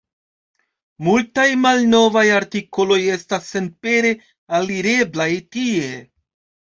Multaj malnovaj artikoloj estas senpere alireblaj tie.